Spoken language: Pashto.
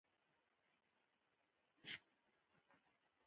د تباهۍ د مخنیوي هڅې به کامیابې شي.